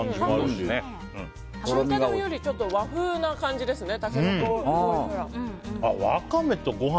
中華丼より和風な感じですね。